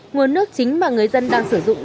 nguồn nước chính mà người dân đang sử dụng